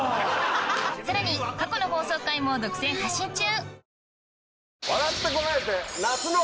さらに過去の放送回も独占配信中！